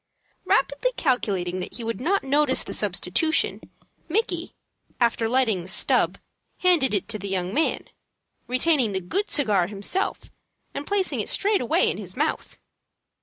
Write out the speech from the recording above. Rapidly calculating that he would not notice the substitution, Micky, after lighting the "stub," handed it to the young man, retaining the good cigar himself, and placing it straightway in his mouth.